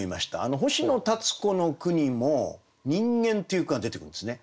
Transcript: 星野立子の句にも「人間」っていう句が出てくるんですね。